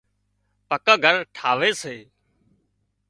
پڪان گھر ٽاهوي سي